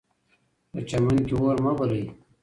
په چمن کې اور مه بلئ.